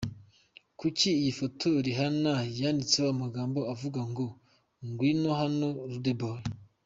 Kuri iyi foto Rihanna yanditseho amagambo avuga ngo: Ngwino hano Rude Boy.